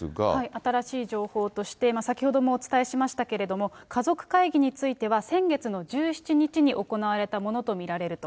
新しい情報として、先ほどもお伝えしましたけれども、家族会議については先月の１７日に行われたものと見られると。